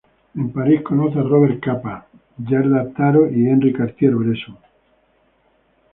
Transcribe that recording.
En París conoce a Robert Capa, Gerda Taro y Henri Cartier-Bresson.